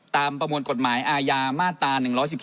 ประมวลกฎหมายอาญามาตรา๑๑๒